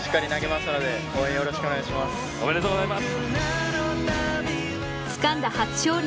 おめでとうございます。